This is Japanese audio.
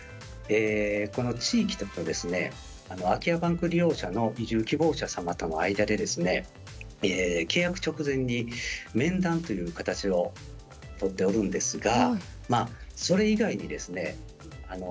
この地域と空き家バンク利用者の移住希望者様との間で契約直前に面談という形をとっておるんですがそれ以外にですね